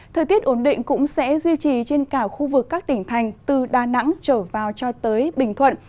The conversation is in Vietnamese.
thời tiết ổn định cũng sẽ duy trì trên cả khu vực các tỉnh thành từ đà nẵng trở vào cho tới bình thuận